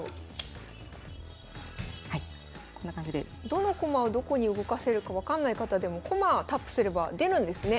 どの駒をどこに動かせるか分かんない方でも駒タップすれば出るんですね